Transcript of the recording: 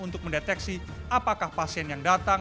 untuk mendeteksi apakah pasien yang datang